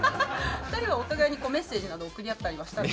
２人はお互いにメッセージなど送り合ったりはしたんですか？